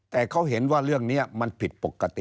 แต่เขาเห็นว่าเรื่องนี้มันผิดปกติ